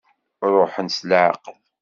Ṛuḥem s leɛqel.